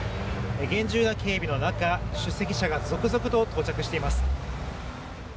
厳重な警備の中、出席者が続々と到着しています。